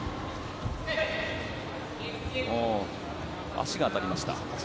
足が当たりました。